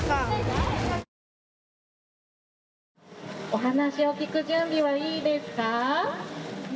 お話を聞く準備はいいですか？